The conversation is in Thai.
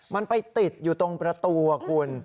มันไปติดอยู่ตรงประตูคุณ